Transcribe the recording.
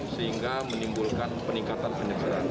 sehingga menimbulkan peningkatan peningkatan